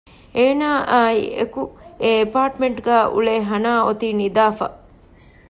އޭނާ އާއި އެކު އެ އެޕާޓްމެންޓް ގައި އުޅޭ ހަނާ އޮތީ ނިދާފަ